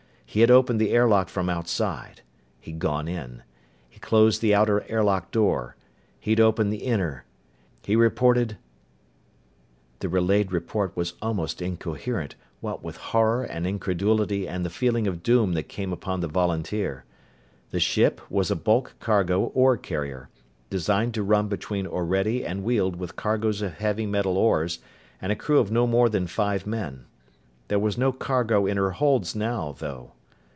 He had opened the airlock from outside. He'd gone in. He'd closed the outer airlock door. He'd opened the inner. He reported The relayed report was almost incoherent, what with horror and incredulity and the feeling of doom that came upon the volunteer. The ship was a bulk cargo ore carrier, designed to run between Orede and Weald with cargos of heavy metal ores and a crew of no more than five men. There was no cargo in her holds now, though.